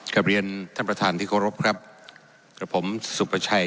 กับเรียนท่านพระท่านที่ครับแล้วผมสุพัชัย